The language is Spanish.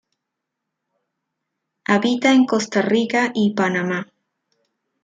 Habita en Costa Rica y Panamá.